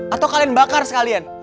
atau kalian bakar sekalian